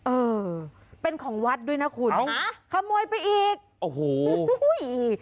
เออเป็นของวัดด้วยนะคุณฮะขโมยไปอีกโอ้โหอีก